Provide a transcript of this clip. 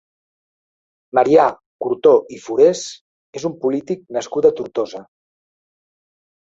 Marià Curto i Forés és un polític nascut a Tortosa.